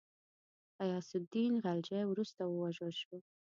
غیاث االدین خلجي وروسته ووژل شو.